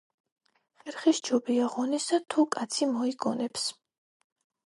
ხერხი სჯობია ღონესა თუ კაცი მოიგონებს.